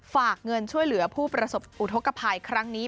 ฝากเงินช่วยเหลือผู้ประสบอุทธกภัยครั้งนี้